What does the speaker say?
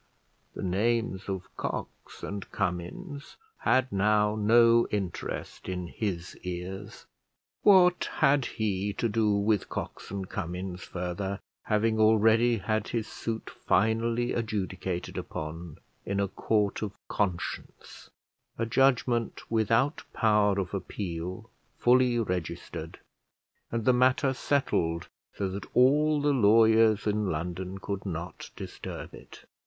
The names of Cox and Cummins had now no interest in his ears. What had he to do with Cox and Cummins further, having already had his suit finally adjudicated upon in a court of conscience, a judgment without power of appeal fully registered, and the matter settled so that all the lawyers in London could not disturb it.